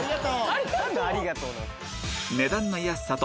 ありがとう。